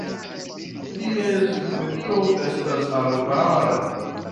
Ties medio estas arbara.